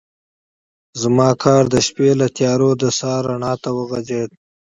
زما کار د شپې له تیارو د سهار رڼا ته وغځېد.